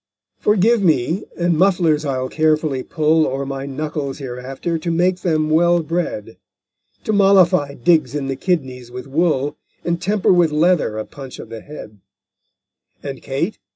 Forgive me, and mufflers I'll carefully pull O'er my knuckles hereafter, to make them, well bred; To mollify digs in the kidneys with wool, And temper with leather a punch of the head_. _And, Kate!